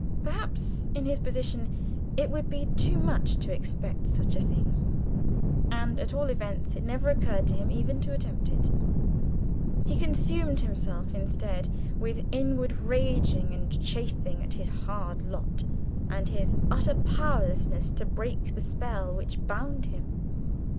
Perhaps, in his position, it would be too much to expect such a thing and, at all events, it never even occurred to him to attempt it. He consumed himself instead with inward raging and chafing at his hard lot, and his utter powerlessness to break the spell which bound him.